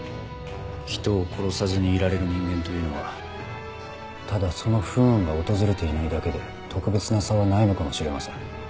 人を殺さずにいられる人間というのはただその不運が訪れていないだけで特別な差はないのかもしれません。